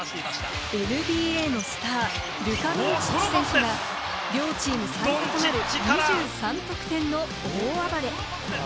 ＮＢＡのスター、ルカ・ドンチッチ選手が両チーム最多となる２３得点の大暴れ。